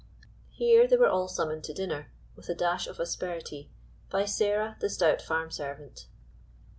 Here they were all summoned to dinner, with a dash of asperity, by Sarah the stout farm servant.